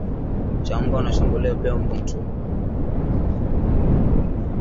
Ugonjwa wa kichaa cha mbwa unashambulia pia mbwa mwituni